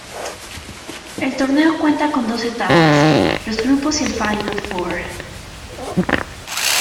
El torneo cuenta con dos etapas, los grupos y el final four.